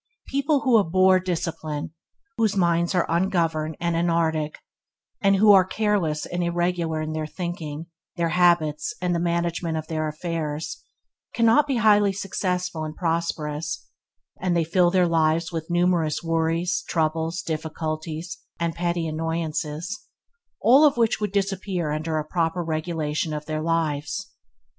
People who abhor discipline, whose minds are ungoverned and anarchic, and who are careless and irregular in their thinking, their habits and the management of their affairs, cannot be highly successful and prosperous, and they fill their lives with numerous worries, troubles, difficulties, and petty annoyances, all of which would disappear under a proper regulation of their lives.